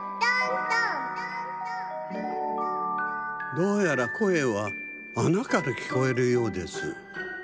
どうやらこえはあなからきこえるようです。